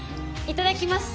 いただきます！